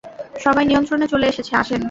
সবাই নিয়ন্ত্রণে চলে এসেছে আসেন।